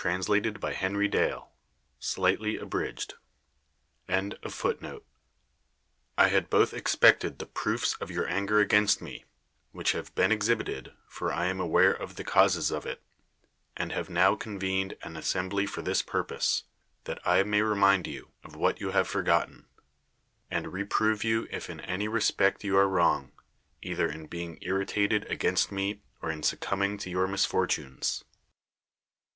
Ill IN DEFENSE OF HIMSELF^ (430 B.C.) I HAD both expected the proofs of your anger against me, which have been exhibited (for I am aware of the causes of it), and have now convened an assembly for this purpose, that I may remind you [of what you have forgotten], and reprove you if in any respect you are wrong, either in being irritated against me or in suc cumbing to your misfortunes.